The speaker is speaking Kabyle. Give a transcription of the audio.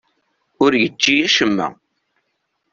Ur yečči acemma.